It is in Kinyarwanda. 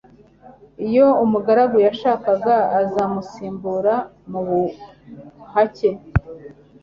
iyo umugaragu yashakaga uzamusimbura mu buhake